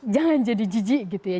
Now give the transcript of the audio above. jangan jadi jijik gitu ya